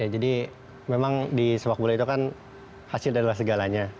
memang di sepak bola itu kan hasil adalah segalanya